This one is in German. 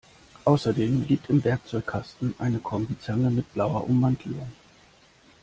Außerdem liegt im Werkzeugkasten eine Kombizange mit blauer Ummantelung.